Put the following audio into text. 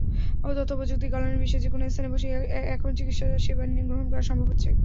তথ্যপ্রযুক্তির কল্যাণে বিশ্বের যেকোনো স্থানে বসেই এখন চিকিত্সাসেবা গ্রহণ করা সম্ভব হচ্ছে।